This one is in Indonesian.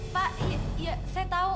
pak ya saya tahu